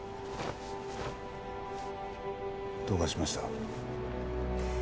どうかしました？